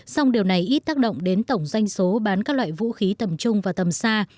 song điều này ít tác động đến tổng doanh số bán các loại vũ khí tầm trung và tầm xa